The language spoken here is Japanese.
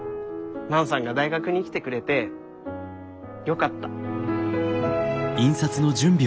万さんが大学に来てくれてよかった。